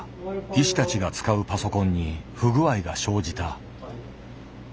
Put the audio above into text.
医師たちが使うパソコンに不具合が生じた。